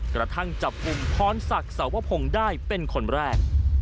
กระทั่งจับกลุ่มพรศักดิ์สวพงศ์ได้เป็นคนแรก